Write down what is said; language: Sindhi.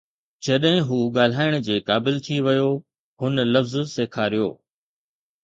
جڏهن هو ڳالهائڻ جي قابل ٿي ويو، هن لفظ سيکاريو